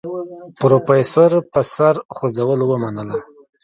پروفيسر په سر خوځولو ومنله.